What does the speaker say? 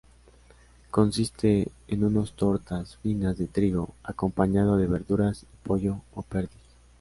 Consiste en unos tortas finas de trigo, acompañado de verduras y pollo o perdiz.